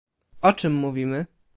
O czym mówimy?